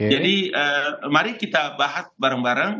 jadi mari kita bahas bareng bareng